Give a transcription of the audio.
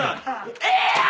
ええやーん！